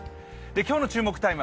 今日の注目タイム